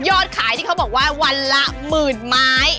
ขายที่เขาบอกว่าวันละหมื่นไม้